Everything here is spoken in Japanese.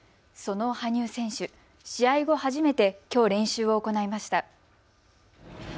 その羽生選手、試合後初めてきょう練習を行いました。